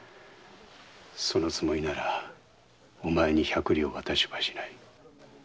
そのつもりならお前に百両渡しはしない。